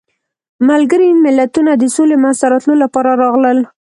ملګري ملتونه د سولې منځته راتلو لپاره راغلل.